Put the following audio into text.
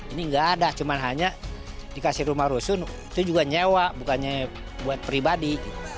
ini nggak ada cuma hanya dikasih rumah rusun itu juga nyewa bukannya buat pribadi